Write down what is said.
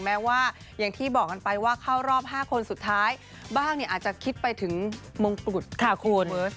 แม้ว่าอย่างที่บอกกันไปว่าเข้ารอบ๕คนสุดท้ายบ้างเนี่ยอาจจะคิดไปถึงมงกุฎค่ะคุณ